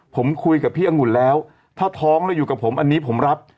ผมคุยกับพี่องุ่นแล้วถ้าท้องแล้วอยู่กับผมอันนี้ผมรับ